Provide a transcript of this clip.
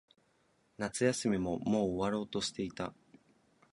夏休みももう終わろうとしていた。